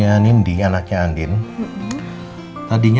jangan lupa like share dan subscribe ya